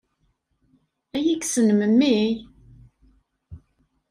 Ad iyi-kksen memmi?